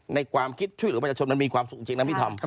ความคิดช่วยเหลือประชาชนมันมีความสุขจริงนะพี่ทำ